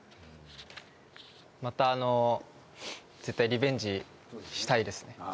また絶対リベンジしたいですね。